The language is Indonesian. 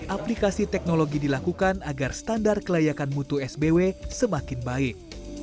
aplikasi teknologi dilakukan agar standar kelayakan mutu sbw semakin baik